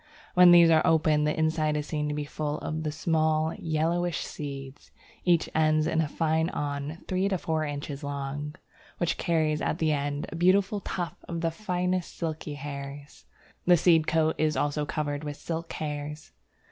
When these are open, the inside is seen to be full of the small yellowish seeds; each ends in a fine awn three to four inches long, which carries at the end a beautiful tuft of the finest silky hairs. The seed coat is also covered with silk hairs.